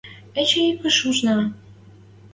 — Эче ик ыш ушна!